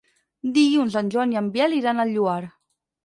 Dilluns en Joan i en Biel iran al Lloar.